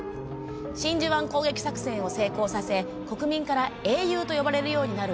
真珠湾攻撃作戦を成功させ国民から英雄と呼ばれるようになる